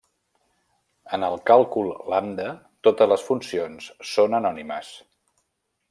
En el càlcul lambda totes les funcions són anònimes.